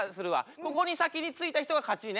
ここに先に着いた人が勝ちね。